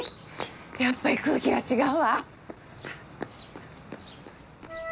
やっぱり空気が違うわ。